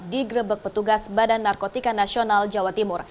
digrebek petugas badan narkotika nasional jawa timur